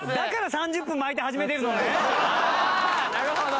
あなるほど。